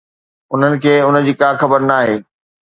انهن کي ان جي ڪا خبر ناهي؟